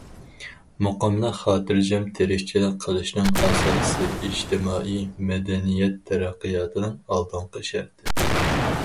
مۇقىملىق خاتىرجەم تىرىكچىلىك قىلىشنىڭ ئاساسى، ئىجتىمائىي مەدەنىيەت تەرەققىياتىنىڭ ئالدىنقى شەرتى.